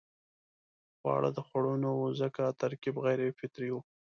خواړه د خوړو نه وو ځکه ترکیب غیر فطري وو.